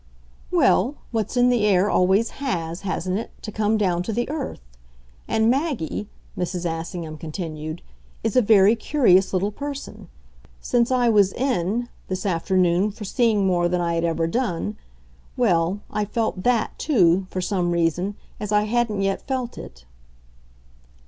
"Well, what's in the air always HAS hasn't it? to come down to the earth. And Maggie," Mrs. Assingham continued, "is a very curious little person. Since I was 'in,' this afternoon, for seeing more than I had ever done well, I felt THAT too, for some reason, as I hadn't yet felt it."